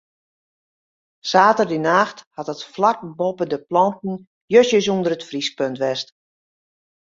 Saterdeitenacht hat it flak boppe de planten justjes ûnder it friespunt west.